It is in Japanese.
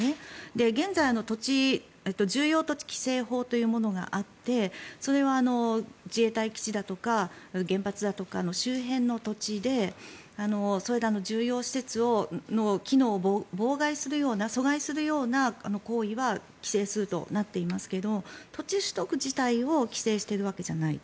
現在、重要土地規制法というものがあってそれは自衛隊基地だとか原発だとかの周辺の土地でそれらの重要施設の機能を妨害するような阻害するような行為は規制するとなっていますが土地取得自体を規制しているわけじゃない。